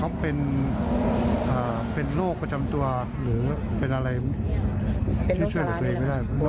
นาคือนี้ก็จะช่วยเหลือตัวเองไม่ได้ใช่ไหม